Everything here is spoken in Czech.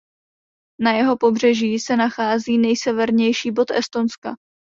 Na jeho pobřeží se nachází nejsevernější bod Estonska.